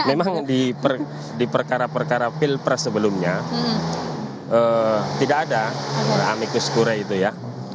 memang di perkara perkara pilpres sebelumnya tidak ada amikus kure itu ya